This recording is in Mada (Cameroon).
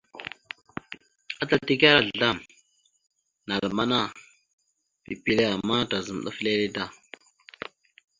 Atal tekara azlam (naləmana) pipile ama tazam ɗaf lele da.